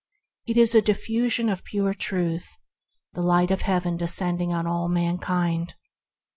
It is a diffusion of pure Truth; the Light of Heaven descending on all mankind.